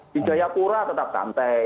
di jayapura tetap santai